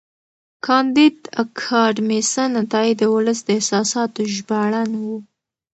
کانديد اکاډميسن عطایي د ولس د احساساتو ژباړن و.